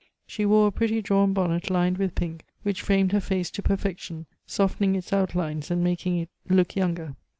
She wore a pretty drawn bonnet lined with pink, which framed her face to perfection, softening its outlines and making it look younger.